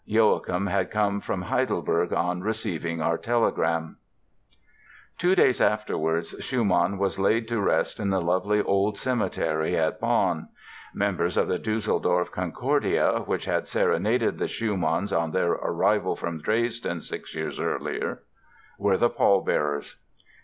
Joachim had come from Heidelberg on receiving our telegram...." Two days afterwards Schumann was laid to rest in the lovely Old Cemetery at Bonn. Members of the Düsseldorf "Concordia", which had serenaded the Schumanns on their arrival from Dresden six years earlier, were the pallbearers.